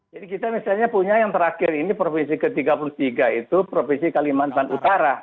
jadi kita misalnya punya yang terakhir ini provinsi ke tiga puluh tiga itu provinsi kalimantan utara